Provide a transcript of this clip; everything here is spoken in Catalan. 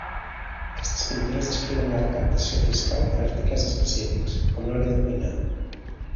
Aquestes pintures descriuen la recaptació fiscal per a articles específics, com l"oli de cuinar.